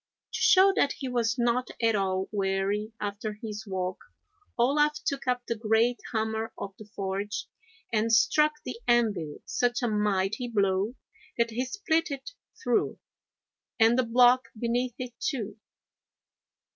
To show that he was not at all weary after his walk Olaf took up the great hammer of the forge and struck the anvil such a mighty blow that he split it through, and the block beneath it, too.